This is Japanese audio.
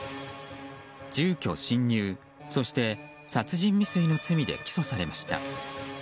住居侵入、そして殺人未遂の罪で起訴されました。